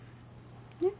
えっ？